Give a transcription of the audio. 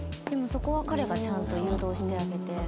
「でもそこは彼がちゃんと誘導してあげて」